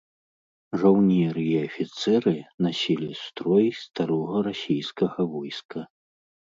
Жаўнеры і афіцэры насілі строй старога расійскага войска.